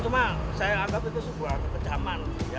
cuma saya anggap itu sebuah kekejaman